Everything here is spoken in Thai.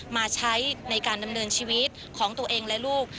มาใช้ในการดำเนินชีวิตของตัวเองและลูก